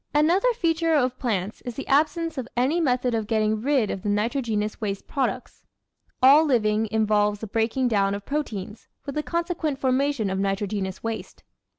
Another feature of plants is the absence of any method of gettting rid of the nitrogenous waste products. All living involves the breaking down of proteins, with the consequent formation of nitrogenous waste.